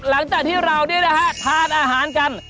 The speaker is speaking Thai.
หลังจากที่เราทาดอาหารกัน